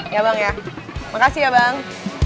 ya bang ya makasih ya bang